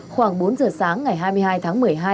khoảng bốn giờ sáng ngày hai mươi hai tháng một mươi hai